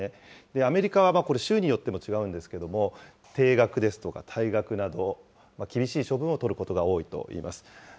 アメリカは州によっても違うんですけれども、停学ですとか退学など、厳しい処分を取ることが多いといいます。